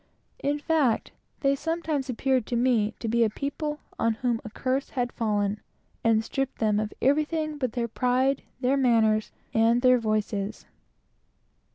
In fact, they sometimes appeared to me to be a people on whom a curse had fallen, and stripped them of everything but their pride, their manners, and their voices.